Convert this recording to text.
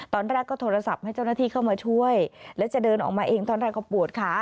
ตอนแรกก็โทรศัพท์ให้เจ้าหน้าที่เข้ามาช่วยแล้วจะเดินออกมาเองตอนแรกก็ปวดขา